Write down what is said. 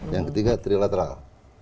yang ketiga trilateral